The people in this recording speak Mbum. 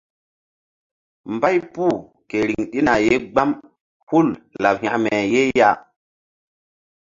Mbay puh ke riŋ ɗina ye gbam hul laɓ hekme ye ya.